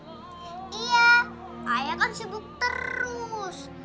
iya ayah kan sibuk terus